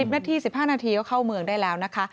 นาที๑๕นาทีก็เข้าเมืองได้แล้วนะคะ